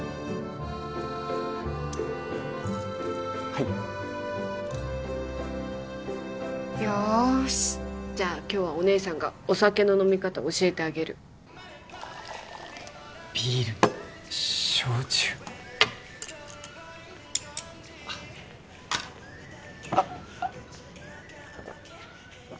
はいよしじゃあ今日はお姉さんがお酒の飲み方教えてあげるビールに焼酎あっあ！